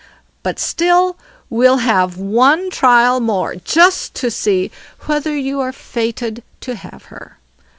But still, we'll have one trial more, just to see whether you're fated to have her.